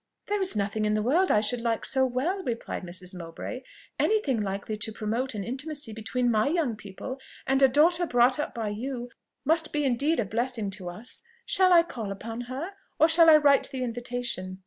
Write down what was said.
"There is nothing in the world I should like so well," replied Mrs. Mowbray. "Any thing likely to promote an intimacy between my young people and a daughter brought up by you must be indeed a blessing to us. Shall I call upon her? or shall I write the invitation?"